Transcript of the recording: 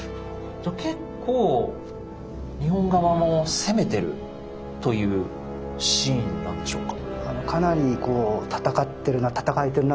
じゃあ結構日本側も攻めてるというシーンなんでしょうか？